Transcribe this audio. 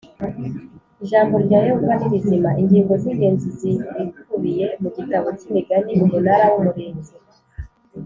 Ijambo rya Yehova ni rizima Ingingo zingenzi zibikubiye mu gitabo cyImigani Umunara wUmurinzi